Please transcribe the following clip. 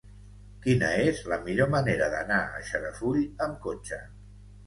Quina és la millor manera d'anar a Xarafull amb cotxe?